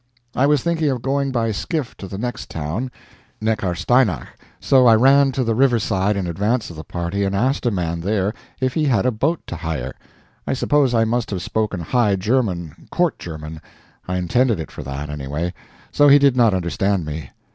I was thinking of going by skiff to the next town, Necharsteinach; so I ran to the riverside in advance of the party and asked a man there if he had a boat to hire. I suppose I must have spoken High German Court German I intended it for that, anyway so he did not understand me.